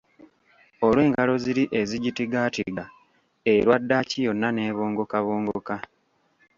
Olw'engalo ziri ezigitigaatiga, erwa ddaaki yonna nebongokabongoka.